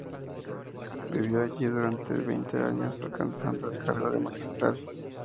Vivió allí durante veinte años, alcanzando el cargo de Magistral.